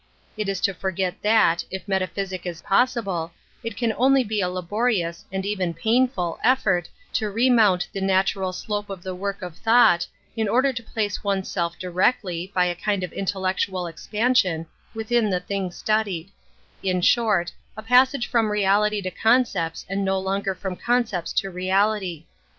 It is to forget that, if metaphysic is possible, it can only be a laborious, and even painful, effort to remount the natural slope of the work of thought, in order fo place oneself directly, by a kind of intellectual expansion, within the thing studied : in short, a passage from reality to concepts and no longer from con { cepts to reality.